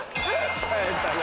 耐えたな。